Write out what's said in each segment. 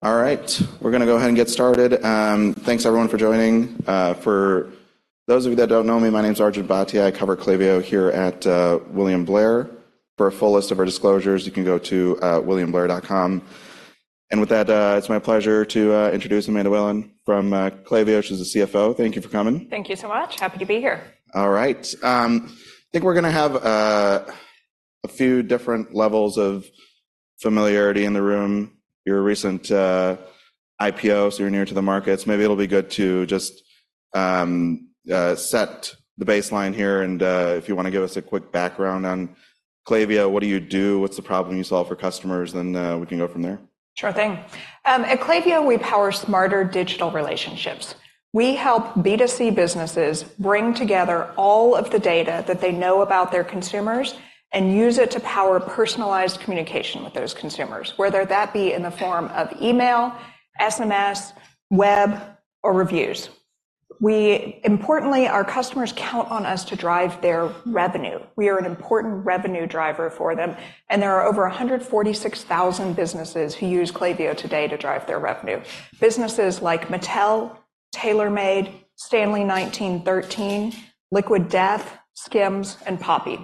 All right, we're gonna go ahead and get started. Thanks everyone for joining. For those of you that don't know me, my name's Arjun Bhatia. I cover Klaviyo here at William Blair. For a full list of our disclosures, you can go to williamblair.com. And with that, it's my pleasure to introduce Amanda Whalen from Klaviyo. She's the CFO. Thank you for coming. Thank you so much. Happy to be here. All right. I think we're gonna have a few different levels of familiarity in the room. Your recent IPO, so you're near to the markets. Maybe it'll be good to just set the baseline here, and if you wanna give us a quick background on Klaviyo, what do you do, what's the problem you solve for customers, then we can go from there. Sure thing. At Klaviyo, we power smarter digital relationships. We help B2C businesses bring together all of the data that they know about their consumers and use it to power personalized communication with those consumers, whether that be in the form of email, SMS, web, or reviews. Importantly, our customers count on us to drive their revenue. We are an important revenue driver for them, and there are over 146,000 businesses who use Klaviyo today to drive their revenue. Businesses like Mattel, TaylorMade, Stanley 1913, Liquid Death, SKIMS, and Poppi.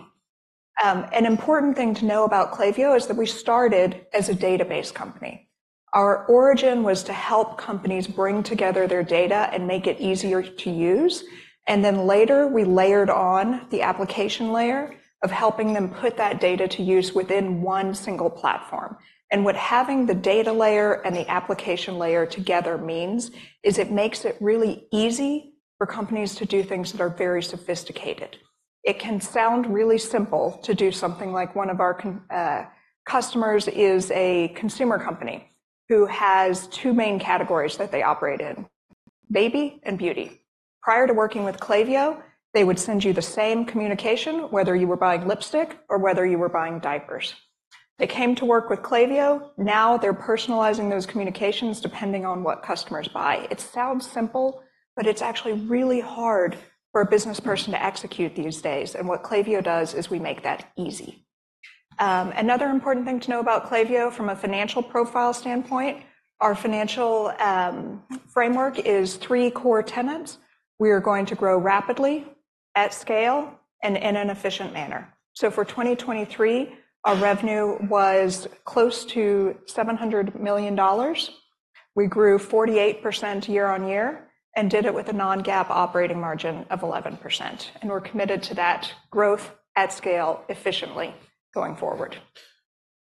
An important thing to know about Klaviyo is that we started as a database company. Our origin was to help companies bring together their data and make it easier to use, and then later, we layered on the application layer of helping them put that data to use within one single platform. What having the data layer and the application layer together means is it makes it really easy for companies to do things that are very sophisticated. It can sound really simple to do something, like one of our customers is a consumer company who has two main categories that they operate in: baby and beauty. Prior to working with Klaviyo, they would send you the same communication, whether you were buying lipstick or whether you were buying diapers. They came to work with Klaviyo. Now they're personalizing those communications, depending on what customers buy. It sounds simple, but it's actually really hard for a business person to execute these days, and what Klaviyo does is we make that easy. Another important thing to know about Klaviyo from a financial profile standpoint, our financial framework is three core tenets. We are going to grow rapidly, at scale, and in an efficient manner. So for 2023, our revenue was close to $700 million. We grew 48% year on year and did it with a non-GAAP operating margin of 11%, and we're committed to that growth at scale efficiently going forward.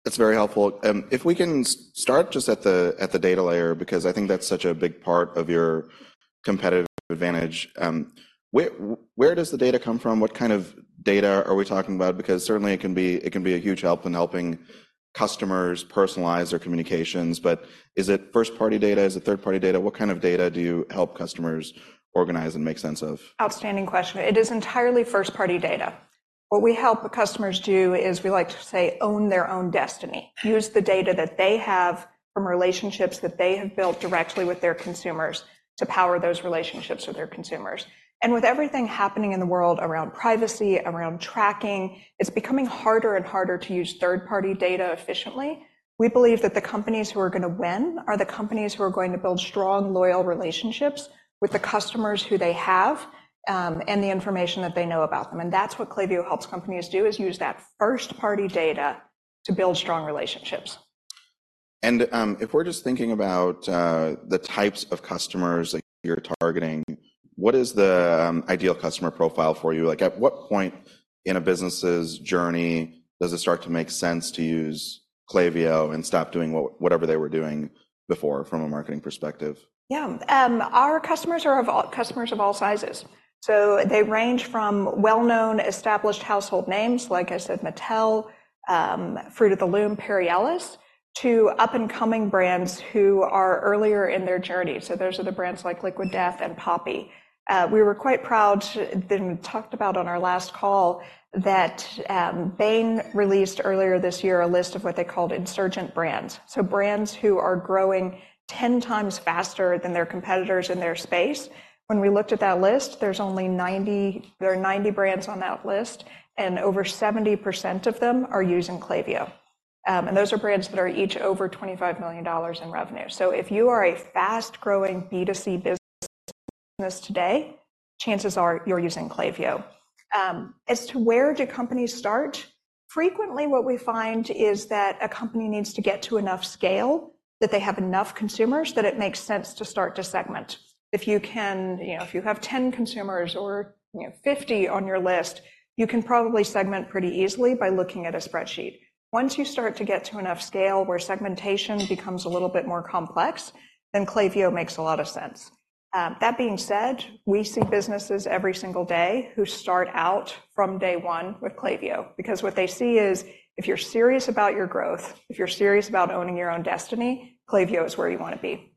That's very helpful. If we can start just at the data layer, because I think that's such a big part of your competitive advantage. Where does the data come from? What kind of data are we talking about? Because certainly, it can be a huge help in helping customers personalize their communications, but is it first-party data? Is it third-party data? What kind of data do you help customers organize and make sense of? Outstanding question. It is entirely first-party data. What we help customers do is, we like to say, own their own destiny. Use the data that they have from relationships that they have built directly with their consumers to power those relationships with their consumers. And with everything happening in the world around privacy, around tracking, it's becoming harder and harder to use third-party data efficiently. We believe that the companies who are gonna win are the companies who are going to build strong, loyal relationships with the customers who they have, and the information that they know about them, and that's what Klaviyo helps companies do, is use that first-party data to build strong relationships. If we're just thinking about the types of customers that you're targeting, what is the ideal customer profile for you? Like, at what point in a business's journey does it start to make sense to use Klaviyo and stop doing whatever they were doing before, from a marketing perspective? Yeah. Our customers are of all sizes. So they range from well-known, established household names, like I said, Mattel, Fruit of the Loom, Perry Ellis, to up-and-coming brands who are earlier in their journey, so those are the brands like Liquid Death and Poppi. We were quite proud, we then talked about on our last call, that, Bain released earlier this year a list of what they called insurgent brands, so brands who are growing 10x faster than their competitors in their space. When we looked at that list, there are 90 brands on that list, and over 70% of them are using Klaviyo. And those are brands that are each over $25 million in revenue. So if you are a fast-growing B2C business today, chances are you're using Klaviyo. As to where do companies start, frequently, what we find is that a company needs to get to enough scale, that they have enough consumers, that it makes sense to start to segment. You know, if you have 10 consumers or, you know, 50 on your list, you can probably segment pretty easily by looking at a spreadsheet. Once you start to get to enough scale where segmentation becomes a little bit more complex, then Klaviyo makes a lot of sense. That being said, we see businesses every single day who start out from day one with Klaviyo, because what they see is, if you're serious about your growth, if you're serious about owning your own destiny, Klaviyo is where you wanna be.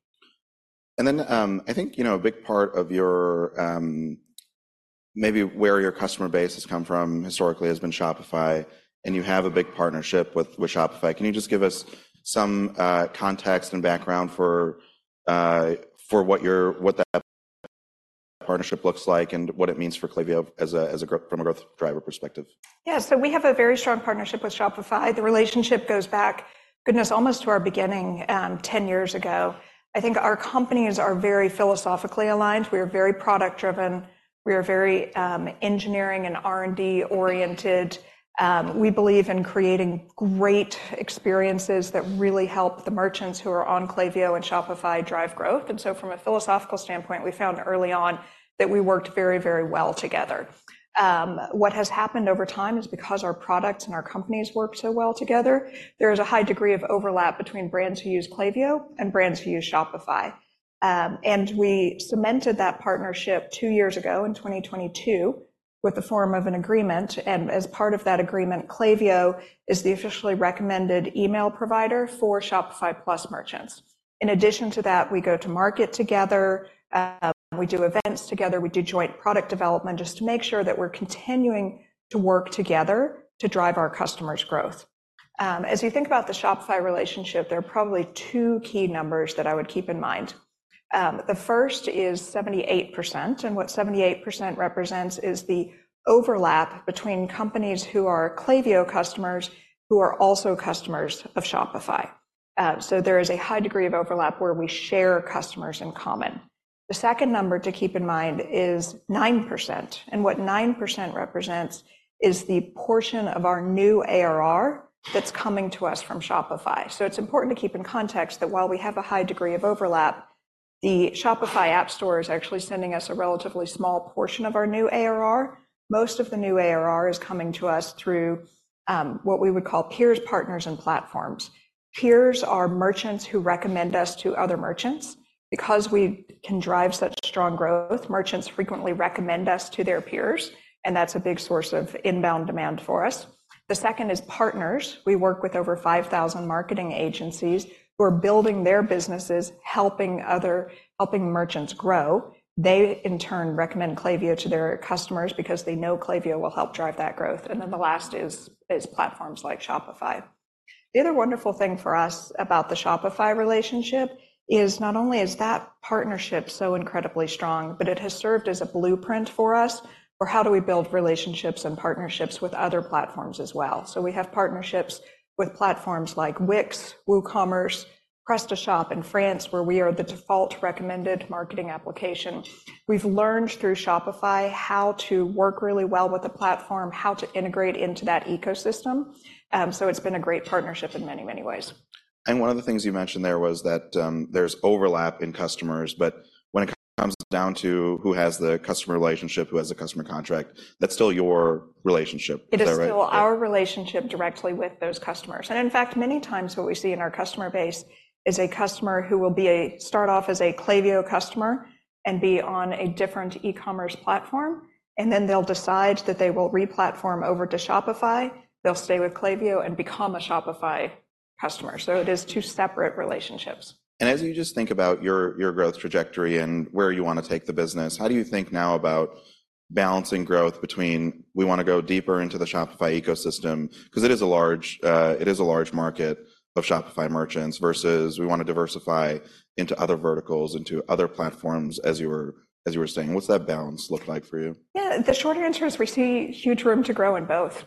And then, I think, you know, a big part of your, maybe where your customer base has come from historically has been Shopify, and you have a big partnership with, with Shopify. Can you just give us some, context and background for, for what you're, what that partnership looks like and what it means for Klaviyo as a, as a growth, from a growth driver perspective. Yeah. So we have a very strong partnership with Shopify. The relationship goes back, goodness, almost to our beginning, 10 years ago. I think our companies are very philosophically aligned. We are very product-driven. We are very engineering and R&D-oriented. We believe in creating great experiences that really help the merchants who are on Klaviyo and Shopify drive growth. And so from a philosophical standpoint, we found early on that we worked very, very well together. What has happened over time is because our products and our companies work so well together, there is a high degree of overlap between brands who use Klaviyo and brands who use Shopify. And we cemented that partnership two years ago in 2022, with the form of an agreement, and as part of that agreement, Klaviyo is the officially recommended email provider for Shopify Plus merchants. In addition to that, we go to market together, we do events together, we do joint product development, just to make sure that we're continuing to work together to drive our customers' growth. As you think about the Shopify relationship, there are probably two key numbers that I would keep in mind. The first is 78%, and what 78% represents is the overlap between companies who are Klaviyo customers, who are also customers of Shopify. So there is a high degree of overlap where we share customers in common. The second number to keep in mind is 9%, and what 9% represents is the portion of our new ARR that's coming to us from Shopify. So it's important to keep in context that while we have a high degree of overlap, the Shopify App Store is actually sending us a relatively small portion of our new ARR. Most of the new ARR is coming to us through what we would call peers, partners, and platforms. Peers are merchants who recommend us to other merchants. Because we can drive such strong growth, merchants frequently recommend us to their peers, and that's a big source of inbound demand for us. The second is partners. We work with over 5,000 marketing agencies who are building their businesses, helping merchants grow. They, in turn, recommend Klaviyo to their customers because they know Klaviyo will help drive that growth. And then the last is platforms like Shopify. The other wonderful thing for us about the Shopify relationship is not only is that partnership so incredibly strong, but it has served as a blueprint for us for how do we build relationships and partnerships with other platforms as well. So we have partnerships with platforms like Wix, WooCommerce, PrestaShop in France, where we are the default recommended marketing application. We've learned through Shopify how to work really well with the platform, how to integrate into that ecosystem, so it's been a great partnership in many, many ways. One of the things you mentioned there was that, there's overlap in customers, but when it comes down to who has the customer relationship, who has the customer contract, that's still your relationship. Is that right? It is still our relationship directly with those customers. In fact, many times what we see in our customer base is a customer who will start off as a Klaviyo customer and be on a different e-commerce platform, and then they'll decide that they will re-platform over to Shopify. They'll stay with Klaviyo and become a Shopify customer, so it is two separate relationships. As you just think about your, your growth trajectory and where you want to take the business, how do you think now about balancing growth between, "We want to go deeper into the Shopify ecosystem," because it is a large, it is a large market of Shopify merchants, versus, "We want to diversify into other verticals, into other platforms," as you were, as you were saying? What's that balance look like for you? Yeah, the short answer is we see huge room to grow in both.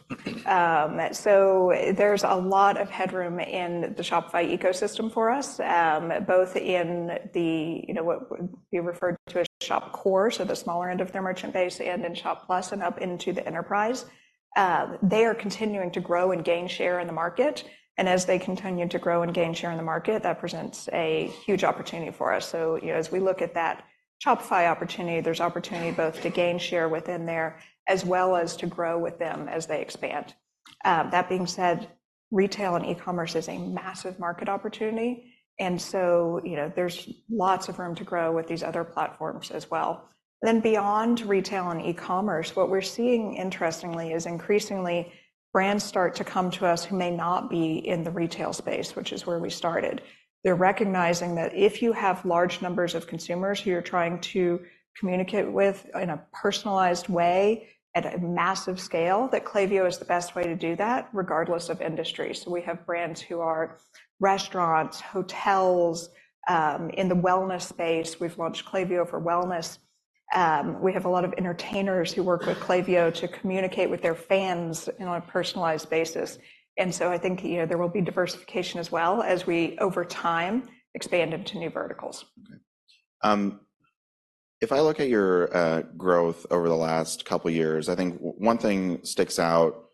So there's a lot of headroom in the Shopify ecosystem for us, both in the, you know, what would be referred to as Shopify Core, so the smaller end of their merchant base, and in Shopify Plus and up into the enterprise. They are continuing to grow and gain share in the market, and as they continue to grow and gain share in the market, that presents a huge opportunity for us. So, you know, as we look at that Shopify opportunity, there's opportunity both to gain share within there, as well as to grow with them as they expand. That being said, retail and e-commerce is a massive market opportunity, and so, you know, there's lots of room to grow with these other platforms as well. Then beyond retail and e-commerce, what we're seeing, interestingly, is increasingly brands start to come to us who may not be in the retail space, which is where we started. They're recognizing that if you have large numbers of consumers who you're trying to communicate with in a personalized way, at a massive scale, that Klaviyo is the best way to do that, regardless of industry. So we have brands who are restaurants, hotels, in the wellness space. We've launched Klaviyo for wellness. We have a lot of entertainers who work with Klaviyo to communicate with their fans on a personalized basis. And so I think, you know, there will be diversification as well, as we, over time, expand into new verticals. Okay. If I look at your growth over the last couple of years, I think one thing sticks out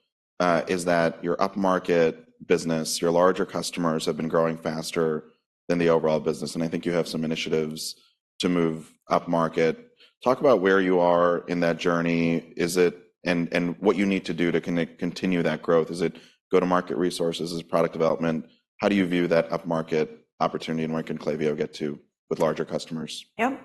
is that your upmarket business, your larger customers, have been growing faster than the overall business, and I think you have some initiatives to move upmarket. Talk about where you are in that journey. Is it, and what you need to do to continue that growth. Is it go-to-market resources? Is it product development? How do you view that upmarket opportunity, and where can Klaviyo get to with larger customers? Yep.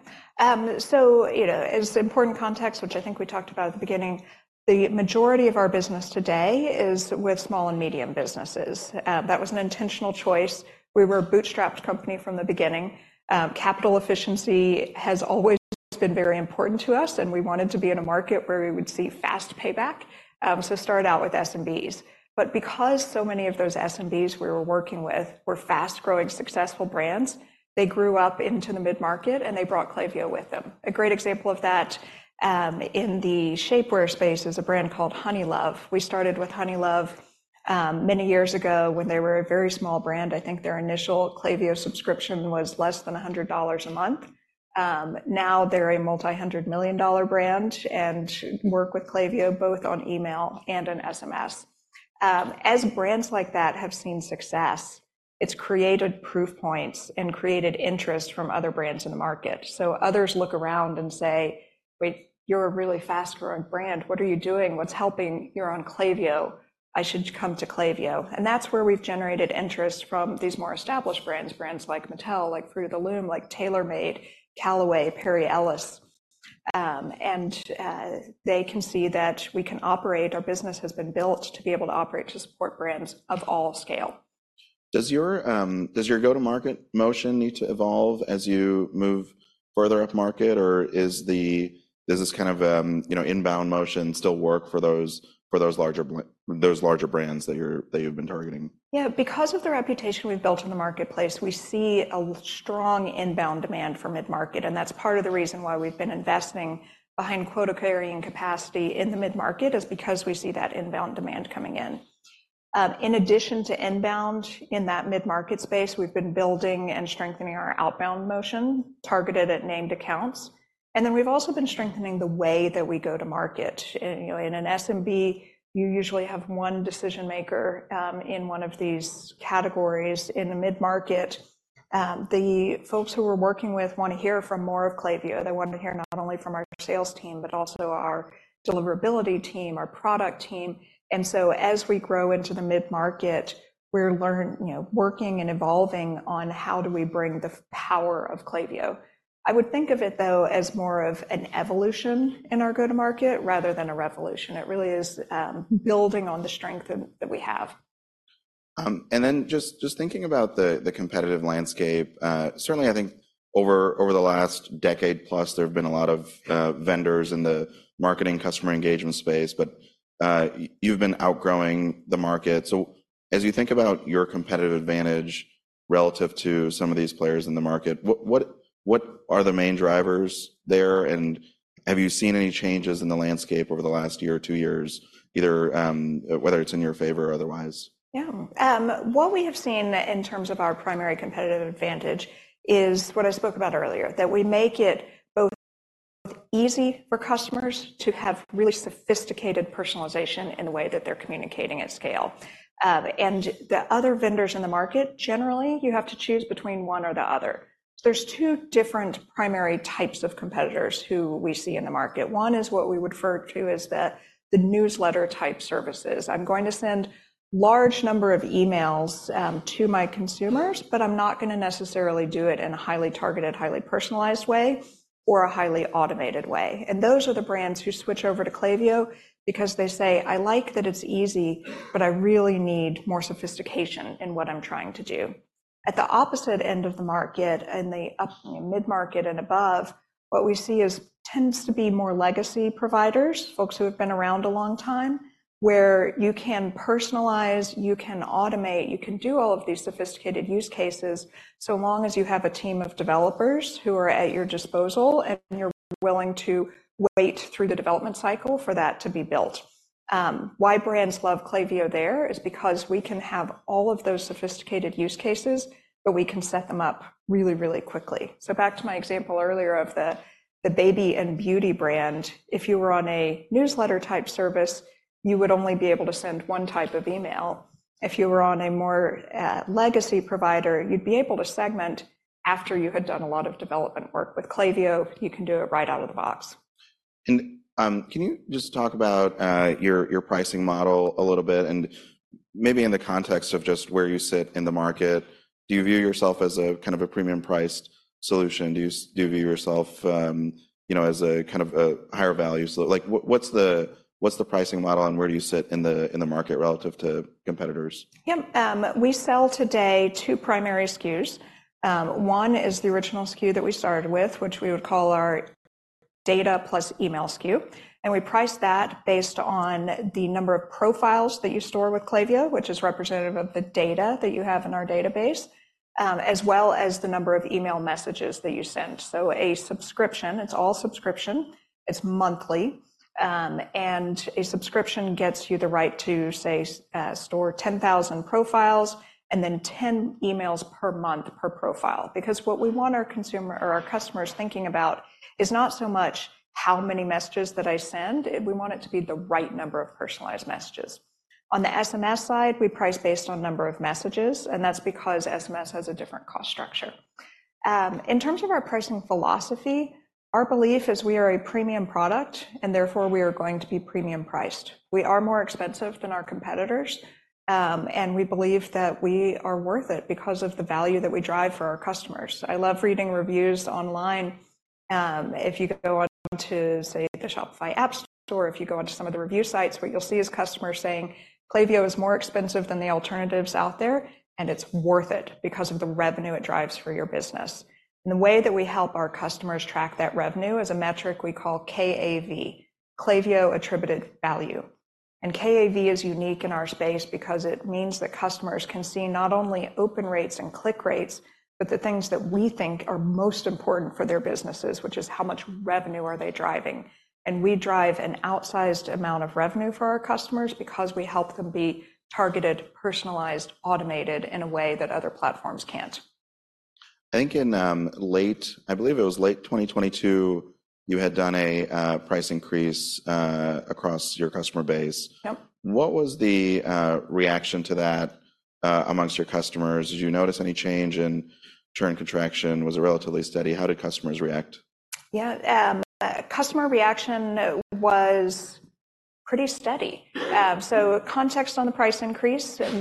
So, you know, it's important context, which I think we talked about at the beginning. The majority of our business today is with small and medium businesses. That was an intentional choice. We were a bootstrapped company from the beginning. It's been very important to us, and we wanted to be in a market where we would see fast payback, so started out with SMBs. But because so many of those SMBs we were working with were fast-growing, successful brands, they grew up into the mid-market, and they brought Klaviyo with them. A great example of that, in the shapewear space, is a brand called Honeylove. We started with Honeylove many years ago when they were a very small brand. I think their initial Klaviyo subscription was less than $100 a month. Now they're a multi-hundred million dollar brand and work with Klaviyo, both on email and on SMS. As brands like that have seen success, it's created proof points and created interest from other brands in the market. So others look around and say: "Wait, you're a really fast-growing brand. What are you doing? What's helping? You're on Klaviyo. I should come to Klaviyo." And that's where we've generated interest from these more established brands, brands like Mattel, like Fruit of the Loom, like TaylorMade, Callaway, Perry Ellis. And they can see that we can operate, our business has been built to be able to operate to support brands of all scale. Does your go-to-market motion need to evolve as you move further upmarket? Or does this kind of, you know, inbound motion still work for those larger brands that you're, that you've been targeting? Yeah. Because of the reputation we've built in the marketplace, we see a strong inbound demand for mid-market, and that's part of the reason why we've been investing behind quota-carrying capacity in the mid-market, is because we see that inbound demand coming in. In addition to inbound in that mid-market space, we've been building and strengthening our outbound motion, targeted at named accounts. And then we've also been strengthening the way that we go to market. And, you know, in an SMB, you usually have one decision-maker, in one of these categories. In the mid-market, the folks who we're working with want to hear from more of Klaviyo. They want to hear not only from our sales team, but also our deliverability team, our product team. And so as we grow into the mid-market, we're learning, you know, working and evolving on how do we bring the power of Klaviyo. I would think of it, though, as more of an evolution in our go-to-market, rather than a revolution. It really is, building on the strength that we have. And then just thinking about the competitive landscape, certainly, I think over the last decade plus, there have been a lot of vendors in the marketing customer engagement space, but you've been outgrowing the market. So as you think about your competitive advantage relative to some of these players in the market, what are the main drivers there? And have you seen any changes in the landscape over the last year or two years, either whether it's in your favor or otherwise? Yeah. What we have seen in terms of our primary competitive advantage is what I spoke about earlier, that we make it both easy for customers to have really sophisticated personalization in the way that they're communicating at scale. And the other vendors in the market, generally, you have to choose between one or the other. There's two different primary types of competitors who we see in the market. One is what we refer to as the newsletter-type services. I'm going to send large number of emails to my consumers, but I'm not gonna necessarily do it in a highly targeted, highly personalized way or a highly automated way. Those are the brands who switch over to Klaviyo because they say, "I like that it's easy, but I really need more sophistication in what I'm trying to do." At the opposite end of the market and the up, mid-market and above, what we see is tends to be more legacy providers, folks who have been around a long time, where you can personalize, you can automate, you can do all of these sophisticated use cases, so long as you have a team of developers who are at your disposal, and you're willing to wait through the development cycle for that to be built. Why brands love Klaviyo there is because we can have all of those sophisticated use cases, but we can set them up really, really quickly. So back to my example earlier of the baby and beauty brand, if you were on a newsletter-type service, you would only be able to send one type of email. If you were on a more legacy provider, you'd be able to segment after you had done a lot of development work. With Klaviyo, you can do it right out of the box. Can you just talk about your pricing model a little bit, and maybe in the context of just where you sit in the market? Do you view yourself as a kind of a premium-priced solution? Do you view yourself, you know, as a kind of a higher value—what's the pricing model, and where do you sit in the market relative to competitors? Yeah. We sell today two primary SKUs. One is the original SKU that we started with, which we would call our data plus email SKU, and we price that based on the number of profiles that you store with Klaviyo, which is representative of the data that you have in our database, as well as the number of email messages that you send. So a subscription, it's all subscription, it's monthly. And a subscription gets you the right to, say, store 10,000 profiles and then 10 emails per month, per profile. Because what we want our consumer or our customers thinking about is not so much how many messages that I send. We want it to be the right number of personalized messages. On the SMS side, we price based on number of messages, and that's because SMS has a different cost structure. In terms of our pricing philosophy, our belief is we are a premium product, and therefore, we are going to be premium-priced. We are more expensive than our competitors, and we believe that we are worth it because of the value that we drive for our customers. I love reading reviews online. If you go onto, say, the Shopify app store, if you go onto some of the review sites, what you'll see is customers saying: "Klaviyo is more expensive than the alternatives out there, and it's worth it because of the revenue it drives for your business." And the way that we help our customers track that revenue is a metric we call KAV, Klaviyo Attributed Value. KAV is unique in our space because it means that customers can see not only open rates and click rates, but the things that we think are most important for their businesses, which is how much revenue are they driving. We drive an outsized amount of revenue for our customers because we help them be targeted, personalized, automated in a way that other platforms can't. I think in late, I believe it was late 2022, you had done a price increase across your customer base. Yep. What was the reaction to that amongst your customers? Did you notice any change in churn contraction? Was it relatively steady? How did customers react? Yeah, customer reaction was pretty steady. So context on the price increase, it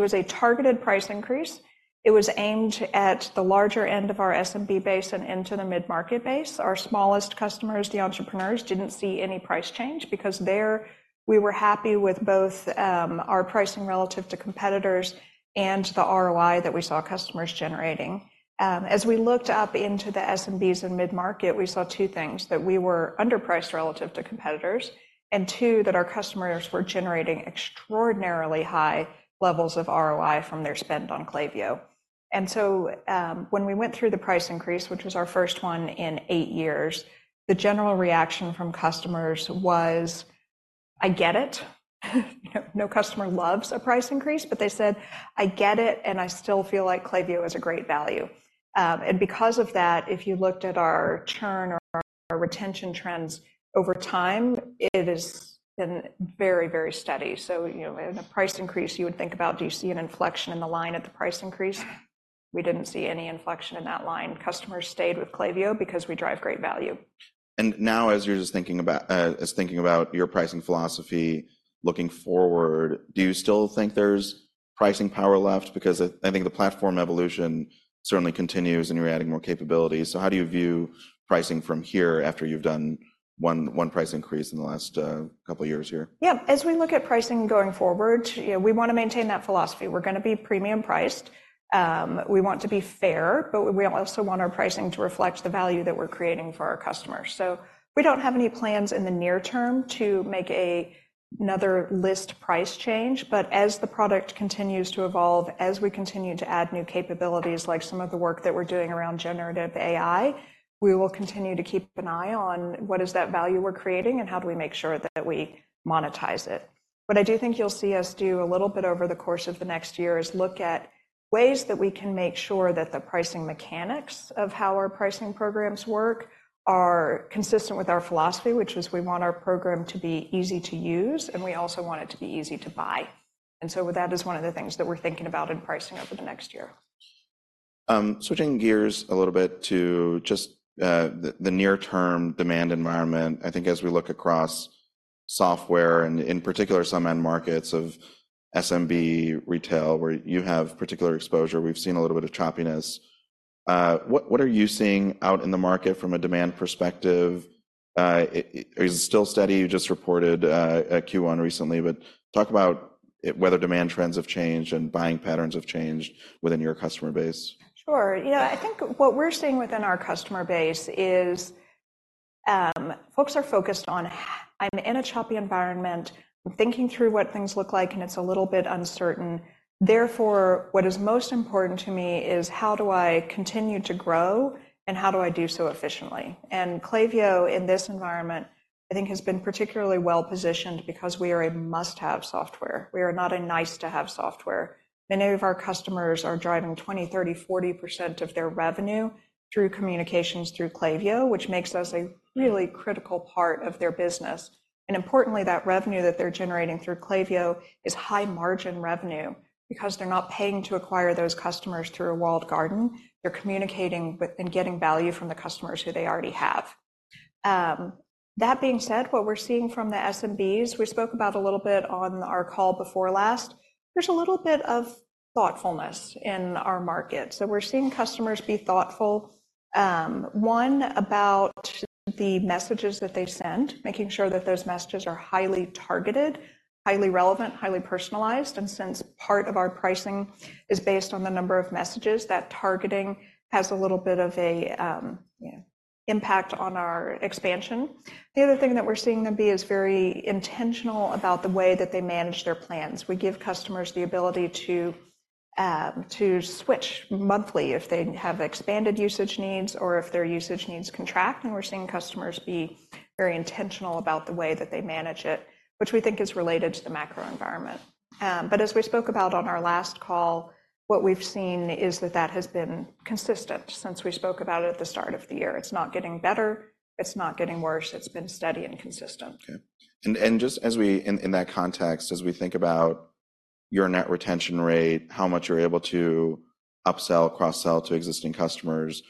was a targeted price increase. It was aimed at the larger end of our SMB base and into the mid-market base. Our smallest customers, the entrepreneurs, didn't see any price change because there, we were happy with both, our pricing relative to competitors and the ROI that we saw customers generating. As we looked up into the SMBs and mid-market, we saw two things, that we were underpriced relative to competitors, and two, that our customers were generating extraordinarily high levels of ROI from their spend on Klaviyo. And so, when we went through the price increase, which was our first one in eight years, the general reaction from customers was, "I get it." No customer loves a price increase, but they said, "I get it, and I still feel like Klaviyo is a great value." And because of that, if you looked at our churn or our retention trends over time, it has been very, very steady. So, you know, in a price increase, you would think about, do you see an inflection in the line at the price increase? We didn't see any inflection in that line. Customers stayed with Klaviyo because we drive great value. Now, as you're just thinking about your pricing philosophy looking forward, do you still think there's pricing power left? Because I think the platform evolution certainly continues, and you're adding more capabilities. So how do you view pricing from here after you've done one price increase in the last couple of years here? Yeah. As we look at pricing going forward, you know, we wanna maintain that philosophy. We're gonna be premium priced. We want to be fair, but we also want our pricing to reflect the value that we're creating for our customers. So we don't have any plans in the near term to make another list price change. But as the product continues to evolve, as we continue to add new capabilities, like some of the work that we're doing around generative AI, we will continue to keep an eye on what is that value we're creating and how do we make sure that we monetize it. What I do think you'll see us do a little bit over the course of the next year is look at ways that we can make sure that the pricing mechanics of how our pricing programs work are consistent with our philosophy, which is we want our program to be easy to use, and we also want it to be easy to buy. And so that is one of the things that we're thinking about in pricing over the next year. Switching gears a little bit to just, the near-term demand environment, I think as we look across software, and in particular some end markets of SMB retail, where you have particular exposure, we've seen a little bit of choppiness. What are you seeing out in the market from a demand perspective? Is it still steady? You just reported a Q1 recently, but talk about whether demand trends have changed and buying patterns have changed within your customer base. Sure. You know, I think what we're seeing within our customer base is, folks are focused on "I'm in a choppy environment, I'm thinking through what things look like, and it's a little bit uncertain. Therefore, what is most important to me is how do I continue to grow and how do I do so efficiently?" And Klaviyo, in this environment, I think, has been particularly well positioned because we are a must-have software. We are not a nice-to-have software. Many of our customers are driving 20, 30, 40% of their revenue through communications through Klaviyo, which makes us a really critical part of their business. And importantly, that revenue that they're generating through Klaviyo is high-margin revenue because they're not paying to acquire those customers through a walled garden. They're communicating with and getting value from the customers who they already have. That being said, what we're seeing from the SMBs, we spoke about a little bit on our call before last, there's a little bit of thoughtfulness in our market. So we're seeing customers be thoughtful, one, about the messages that they send, making sure that those messages are highly targeted, highly relevant, highly personalized. And since part of our pricing is based on the number of messages, that targeting has a little bit of a impact on our expansion. The other thing that we're seeing them be is very intentional about the way that they manage their plans. We give customers the ability to switch monthly if they have expanded usage needs or if their usage needs contract. And we're seeing customers be very intentional about the way that they manage it, which we think is related to the macro environment. But as we spoke about on our last call, what we've seen is that that has been consistent since we spoke about it at the start of the year. It's not getting better, it's not getting worse. It's been steady and consistent. Okay. And just as we—in that context, as we think about your net retention rate, how much you're able to upsell, cross-sell to existing customers,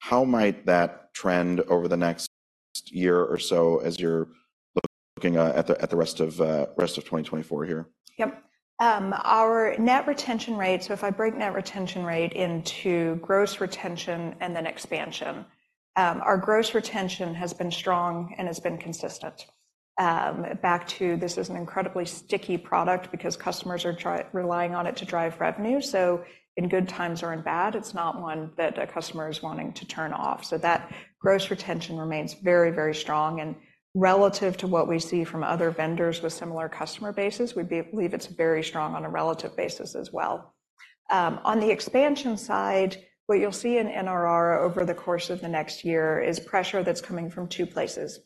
how might that trend over the next year or so as you're looking at the rest of 2024 here? Yep. Our net retention rate, so if I break net retention rate into gross retention and then expansion, our gross retention has been strong and has been consistent. Back to this is an incredibly sticky product because customers are relying on it to drive revenue, so in good times or in bad, it's not one that a customer is wanting to turn off. So that gross retention remains very, very strong, and relative to what we see from other vendors with similar customer bases, we believe it's very strong on a relative basis as well. On the expansion side, what you'll see in NRR over the course of the next year is pressure that's coming from two places.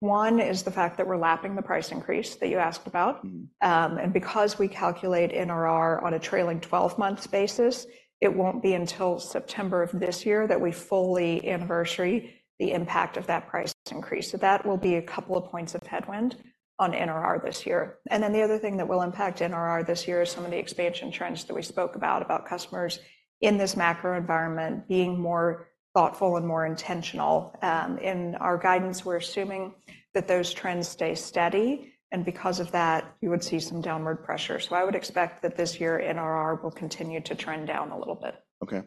One is the fact that we're lapping the price increase that you asked about. Mm-hmm. And because we calculate NRR on a trailing 12-month basis, it won't be until September of this year that we fully anniversary the impact of that price increase. So that will be a couple of points of headwind on NRR this year. And then the other thing that will impact NRR this year is some of the expansion trends that we spoke about, about customers in this macro environment being more thoughtful and more intentional. In our guidance, we're assuming that those trends stay steady, and because of that, you would see some downward pressure. So I would expect that this year, NRR will continue to trend down a little bit. Okay.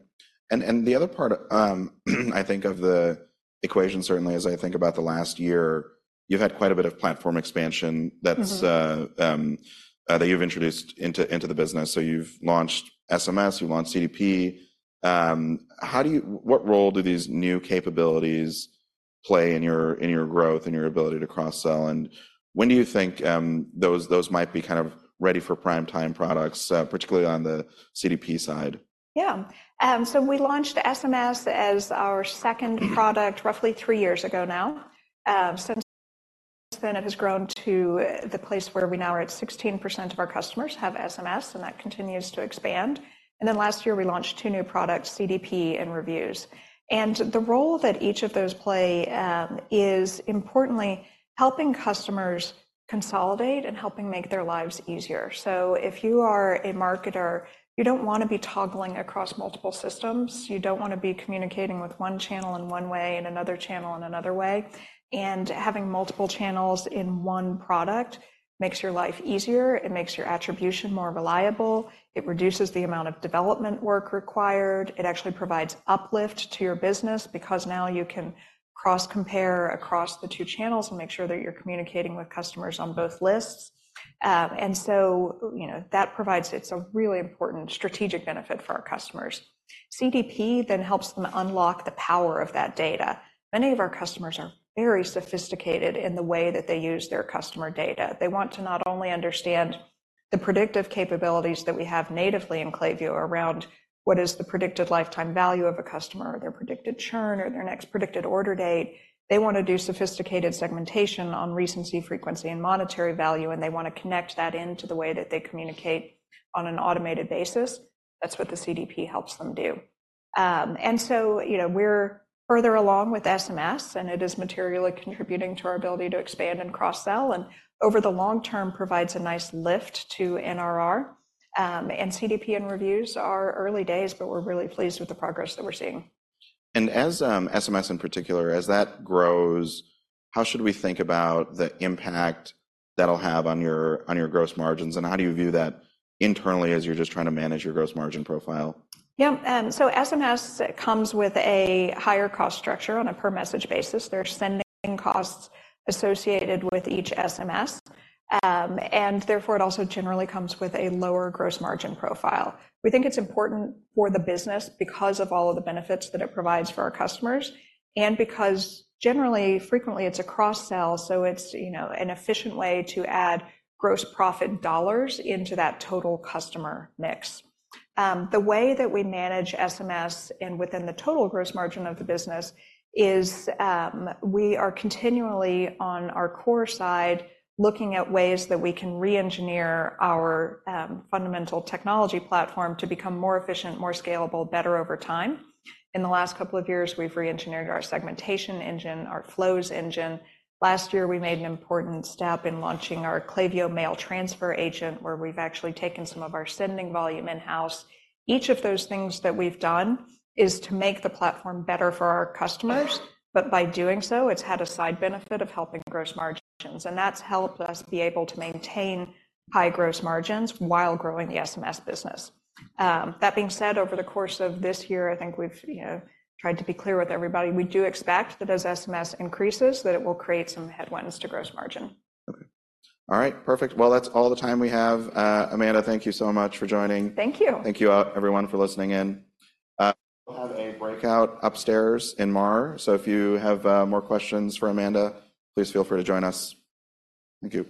And the other part, I think of the equation certainly as I think about the last year, you've had quite a bit of platform expansion that's. Mm-hmm.... that you've introduced into the business. So you've launched SMS, you've launched CDP. How do you—what role do these new capabilities play in your growth and your ability to cross-sell, and when do you think those might be kind of ready for prime time products, particularly on the CDP side? Yeah. So we launched SMS as our second product, roughly three years ago now. Since then it has grown to the place where we now are at 16% of our customers have SMS, and that continues to expand. Then last year, we launched two new products, CDP and Reviews. The role that each of those play is importantly, helping customers consolidate and helping make their lives easier. So if you are a marketer, you don't want to be toggling across multiple systems. You don't want to be communicating with one channel in one way and another channel in another way. Having multiple channels in one product makes your life easier, it makes your attribution more reliable, it reduces the amount of development work required, it actually provides uplift to your business because now you can cross-compare across the two channels and make sure that you're communicating with customers on both lists. So, you know, that provides. It's a really important strategic benefit for our customers. CDP then helps them unlock the power of that data. Many of our customers are very sophisticated in the way that they use their customer data. They want to not only understand the predictive capabilities that we have natively in Klaviyo around what is the predicted lifetime value of a customer or their predicted churn or their next predicted order date, they want to do sophisticated segmentation on recency, frequency, and monetary value, and they want to connect that into the way that they communicate on an automated basis. That's what the CDP helps them do. And so, you know, we're further along with SMS, and it is materially contributing to our ability to expand and cross-sell, and over the long term, provides a nice lift to NRR. And CDP and Reviews are early days, but we're really pleased with the progress that we're seeing. As SMS in particular, as that grows, how should we think about the impact that'll have on your gross margins, and how do you view that internally as you're just trying to manage your gross margin profile? Yeah, so SMS comes with a higher cost structure on a per message basis. There are sending costs associated with each SMS, and therefore, it also generally comes with a lower gross margin profile. We think it's important for the business because of all of the benefits that it provides for our customers and because generally, frequently, it's a cross-sell, so it's, you know, an efficient way to add gross profit dollars into that total customer mix. The way that we manage SMS and within the total gross margin of the business is, we are continually, on our core side, looking at ways that we can reengineer our, fundamental technology platform to become more efficient, more scalable, better over time. In the last couple of years, we've reengineered our segmentation engine, our flows engine. Last year, we made an important step in launching our Klaviyo Mail Transfer Agent, where we've actually taken some of our sending volume in-house. Each of those things that we've done is to make the platform better for our customers, but by doing so, it's had a side benefit of helping gross margins, and that's helped us be able to maintain high gross margins while growing the SMS business. That being said, over the course of this year, I think we've, you know, tried to be clear with everybody. We do expect that as SMS increases, that it will create some headwinds to gross margin. Okay. All right, perfect. Well, that's all the time we have. Amanda, thank you so much for joining. Thank you. Thank you, everyone, for listening in. We'll have a breakout upstairs in Mar, so if you have more questions for Amanda, please feel free to join us. Thank you.